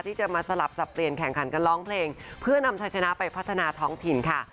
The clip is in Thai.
ที่จะมาสลับสับเปลี่ยนแข่งขันกันร้องเพลงเพื่อนำชายชนะไปพัฒนาท้องถิ่นค่ะ